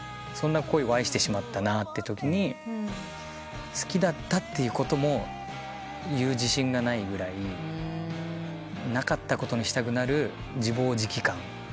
そんな恋を愛してしまったなってときに好きだったっていうことも言う自信がないぐらいなかったことにしたくなる自暴自棄感。